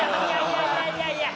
いやいやいや。